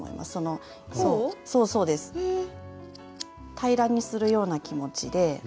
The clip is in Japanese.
平らにするような気持ちで。